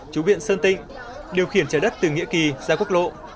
chú viện sơn tịnh điều khiển trái đất từ nghĩa kỳ ra quốc lộ